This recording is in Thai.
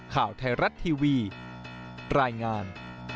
ข่าวไทยรัฐทีวีรายงาน